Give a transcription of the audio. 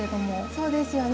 そうですよね。